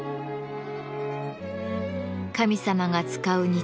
神様が使う日